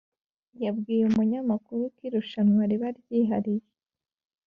yabwiye umunyamakuru ko irushwanwa riba ryihariye